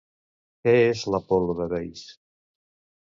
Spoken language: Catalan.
Què és l'Apol·lo de Veïs?